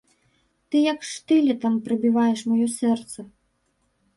Ты як штылетам прабіваеш маё сэрца!